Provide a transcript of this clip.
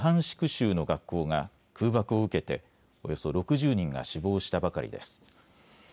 州の学校が空爆を受けておよそ６０人が死亡したばかりです。